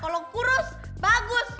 kalau kurus bagus